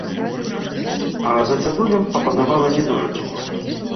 А за дзядулем папанавала не дужа доўга.